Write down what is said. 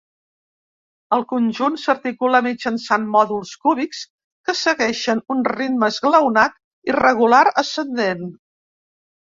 El conjunt s'articula mitjançant mòduls cúbics que segueixen un ritme esglaonat irregular ascendent.